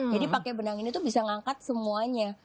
jadi pakai benang ini tuh bisa ngangkat semuanya